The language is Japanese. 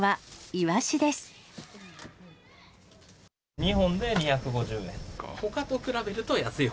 ２本で２５０円。